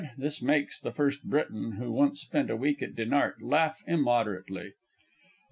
[This makes the FIRST BRITON who once spent a week at Dinard laugh immoderately.